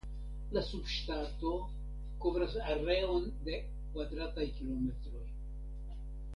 La subŝtato kovras areon de kvadrataj kilometroj.